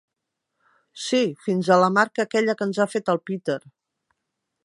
Sí, fins a la marca aquella que ens ha fet el Peter.